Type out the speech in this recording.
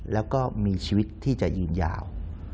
แล้วก็มีชีวิตที่จะยืนยาว